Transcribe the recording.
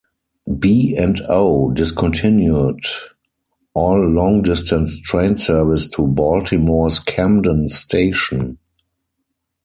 B and O discontinued all long-distance train service to Baltimore's Camden Station.